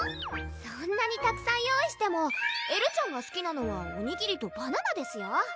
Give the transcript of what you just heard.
そんなにたくさん用意してもエルちゃんがすきなのはおにぎりとバナナですよ？